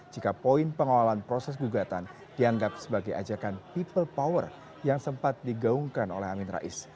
jika poin pengawalan proses gugatan dianggap sebagai ajakan people power yang sempat digaungkan oleh amin rais